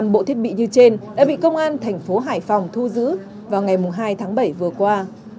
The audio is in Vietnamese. năm bộ thiết bị như trên đã bị công an thành phố hải phòng thu giữ vào ngày hai tháng bảy vừa qua